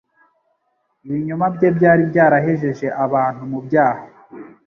Ibinyoma bye byari byarahejeje abantu mu byaha.